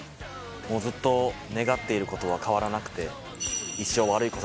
もうずっと願っていることは変わらなくて。